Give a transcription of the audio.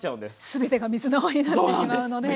全てが水の泡になってしまうので。